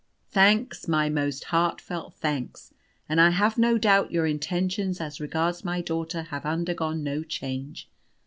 Thanks, my most heartfelt thanks, and I have no doubt your intentions as regards my daughter have undergone no change.